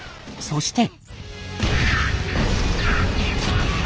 そして。